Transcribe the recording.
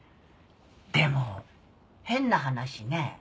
でも変な話ね。